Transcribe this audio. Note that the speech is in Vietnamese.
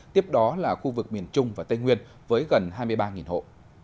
tiếp đó là khu vực miền trung và tây nguyên với gần hai mươi ba hộ